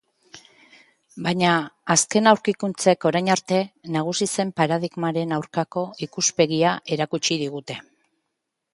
Baina azken aurkikuntzek orain arte nagusi zen paradigmaren aurkako ikuspegia erakutsi digute.